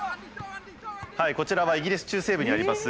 こちらはイギリス中西部にあります